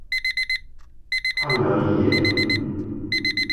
看了一眼